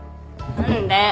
何で！